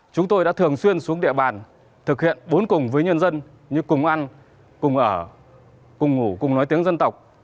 chúng tôi đã thường xuyên xuống địa bàn thực hiện bốn cùng với nhân dân như cùng ăn cùng ở cùng ngủ cùng nói tiếng dân tộc